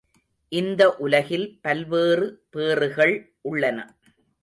இந்த உலகில் பல்வேறு பேறுகள் உள்ளன.